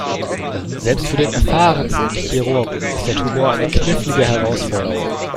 Selbst für den erfahrensten Chirurgen ist der Tumor eine knifflige Herausforderung.